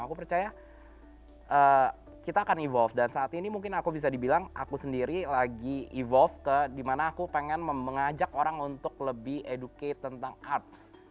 aku percaya kita akan evolve dan saat ini mungkin aku bisa dibilang aku sendiri lagi evolve ke dimana aku pengen mengajak orang untuk lebih educate tentang arts